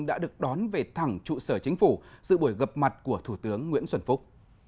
đã được đón về thẳng trụ sở chính phủ dự buổi gặp mặt của thủ tướng nguyễn xuân phúc